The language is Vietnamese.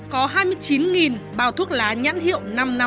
có hai mươi chín bao thuốc lá nhãn hiệu năm trăm năm mươi